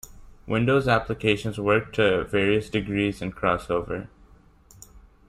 Windows applications work to various degrees in CrossOver.